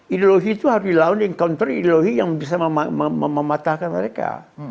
ideologi itu harus dilawan dengan counter ideologi yang bisa mematahkan mereka